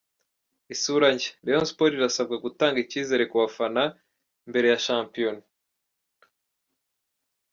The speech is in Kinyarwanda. Isura nshya : Rayon Sports irasabwa gutanga icyizere ku bafana mbere ya shampiyona.